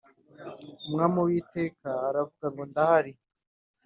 Umwami Uwiteka aravuga ngo ndahari